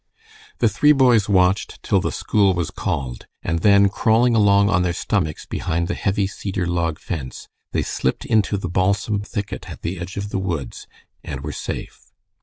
The three boys watched till the school was called, and then crawling along on their stomachs behind the heavy cedar log fence, they slipped into the balsam thicket at the edge of the woods and were safe.